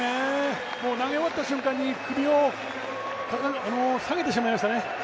もう投げ終わった瞬間に首を下げてしまいましたね。